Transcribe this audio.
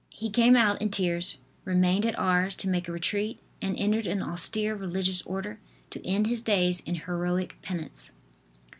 He came out in tears, remained at Ars to make a retreat, and entered an austere religious order to end his days in heroic penance.